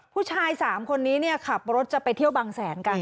ผู้ชาย๓คนนี้ขับรถจะไปเที่ยวบางแสนกัน